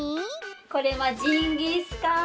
これはジンギスカン？